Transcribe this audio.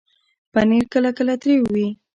پنېر کله کله تریو وي.